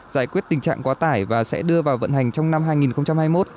giải quyết tình trạng quá tải và sẽ đưa vào vận hành trong năm hai nghìn hai mươi một